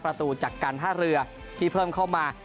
ประตูจากการท่าเรือที่เพิ่มเข้ามา